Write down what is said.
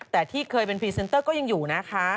แต่ที่เคยเป็นพรีเซนเตอร์ก็ยังอยู่นะคะ